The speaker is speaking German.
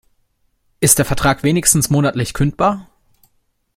Ist der Vertrag wenigstens monatlich kündbar?